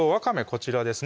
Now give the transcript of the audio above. こちらですね